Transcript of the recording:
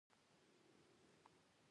د تفکر ارزښت د علم دروازه پرانیزي.